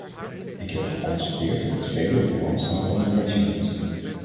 Ik heb geconstateerd dat velen op de rand staan van het faillissement.